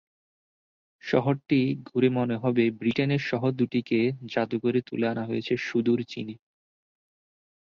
শহরটি ঘুরে মনে হবে ব্রিটেনের শহর দুটিকে জাদু করে তুলে আনা হয়েছে সুদূর চীনে।